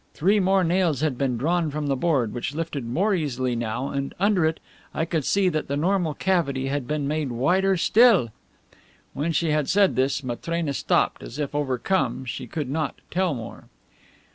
Three more nails had been drawn from the board, which lifted more easily now, and under it, I could see that the normal cavity had been made wider still!" When she had said this, Matrena stopped, as if, overcome, she could not tell more.